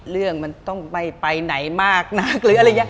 เรื่องมันต้องไปไหนมากนัก